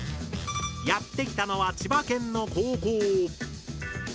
やって来たのは千葉県の高校。